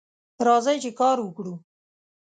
راځئ چې کار وکړو